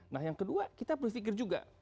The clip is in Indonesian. nah yang kedua kita berpikir juga